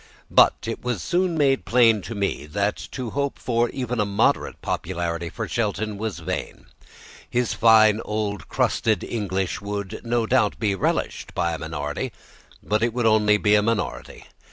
But it was soon made plain to me that to hope for even a moderate popularity for Shelton was vain. His fine old crusted English would, no doubt, be relished by a minority, but it would be only by a minority.